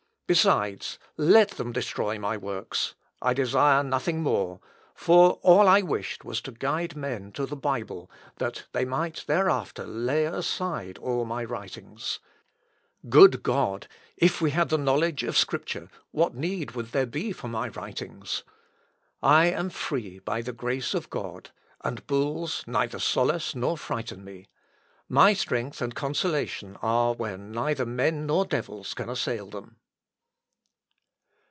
Besides, let them destroy my works! I desire nothing more; for all I wished was to guide men to the Bible, that they might thereafter lay aside all my writings. Good God! if we had the knowledge of Scripture, what need would there be for my writings?... I am free by the grace of God, and bulls neither solace nor frighten me. My strength and consolation are where neither men nor devils can assail them."